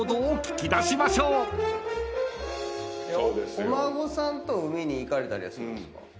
お孫さんと海に行かれたりはするんですか？